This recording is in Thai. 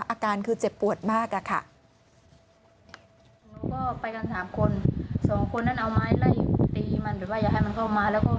อาการคือเจ็บปวดมากอะค่ะ